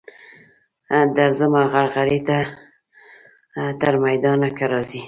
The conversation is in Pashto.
درځمه غرغړې ته تر میدانه که راځې.